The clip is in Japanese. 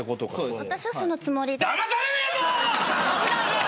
私はそのつもりで。